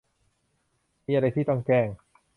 มีอะไรที่ต้องแจ้ง